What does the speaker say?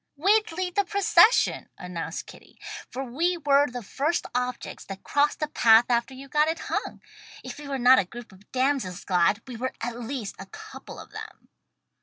"We'd lead the procession," announced Kitty, "for we were the first objects that crossed the path after you got it hung. If we were not 'a group of damsels glad' we were at least a couple of them."